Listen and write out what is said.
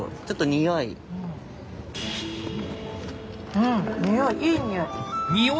うん匂いいい匂い。